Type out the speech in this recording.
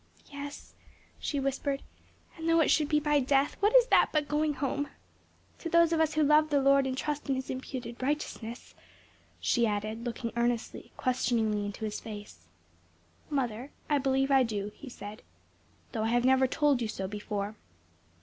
"Yes," she whispered, "and though it should be by death, what is that but going, home? To those of us who love the Lord and trust in His imputed righteousness," she added, looking earnestly, questioningly into his face. "Mother, I believe I do," he said, "though I have never told you so before."